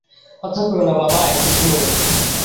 কথা কোয়ো না বাবা, একটু ঘুমোও।